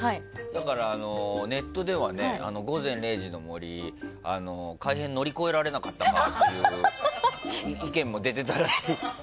だからネットでは「午前０時の森」は改編乗り越えられなかったっていう意見も出ていたらしく。